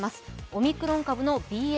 オミクロン株のＢＡ．４。